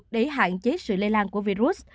để hạn chế sự lây lan của virus